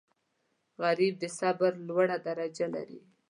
غریب د صبر لوړه درجه لري